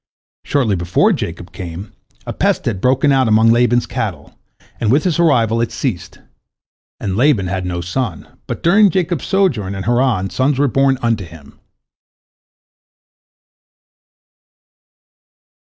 Shortly before Jacob came, a pest had broken out among Laban's cattle, and with his arrival it ceased. And Laban had had no son, but during Jacob's sojourn in Haran sons were born unto him.